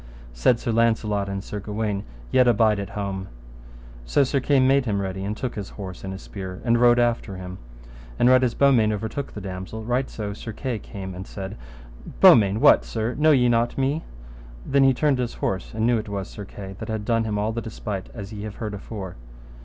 Said Sir Launcelot and Sir Gawaine, Yet abide at home. So Sir Kay made him ready and took his horse and his spear, and rode after him. And right as Beaumains overtook the damosel, right so came Sir Kay and said, Beaumains, what, sir, know ye not me? Then he turned his horse, and knew it was Sir Kay, that had done him all the despite as ye have heard afore.